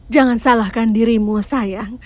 jangan salahkan dirimu sayang